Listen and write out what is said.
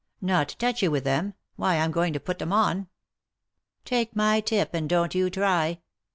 " Not touch you with them ? Why, I'm going to put 'em on." "Take my tip, and don't you try."